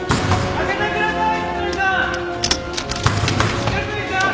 開けてください。